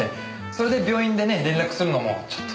それで病院でね連絡するのもちょっと。